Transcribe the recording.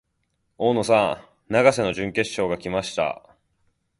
大野さん、永瀬の準決勝が来ました。